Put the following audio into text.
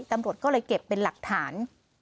ตำรวจก็เลยเก็บเป็นหลักฐาน